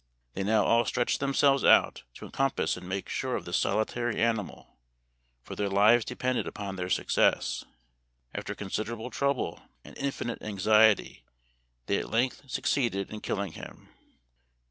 They now all stretched themselves out to encompass and make sure of this solitary animal, for their lives depended upon their success. After considerable trouble and infinite anxiety they at length succeeded in killing him.